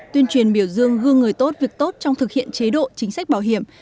tuyên truyền biểu dương gương người tốt việc tốt trong thực hiện chế độ chính sách bảo hiểm